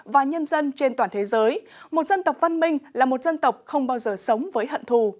và nhân dân trên toàn thế giới một dân tộc văn minh là một dân tộc không bao giờ sống với hận thù